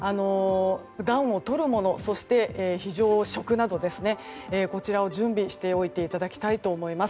暖をとるもの、非常食などこちらを準備しておいていただきたいと思います。